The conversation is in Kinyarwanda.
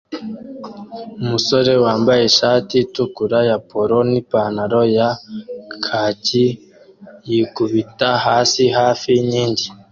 Umusore wambaye ishati itukura ya polo nipantaro ya khaki yikubita hasi hafi yinkingi